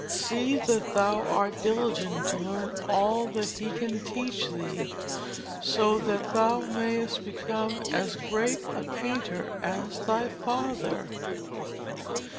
See that thou art diligent to learn all that he can teach thee, so that thou mayest become as great a painter as thy father.'